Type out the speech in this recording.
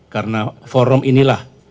karena forum inilah